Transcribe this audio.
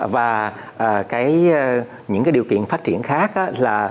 và những cái điều kiện phát triển khác là